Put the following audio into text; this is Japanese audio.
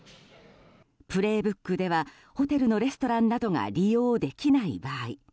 「プレイブック」ではホテルのレストランなどが利用できない場合